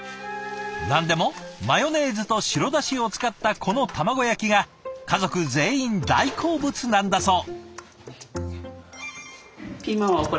何でもマヨネーズと白だしを使ったこの卵焼きが家族全員大好物なんだそう。